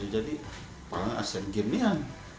jadi palembang asian games ini kan